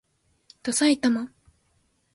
ださいたま